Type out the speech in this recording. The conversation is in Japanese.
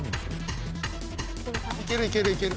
いけるいけるいける。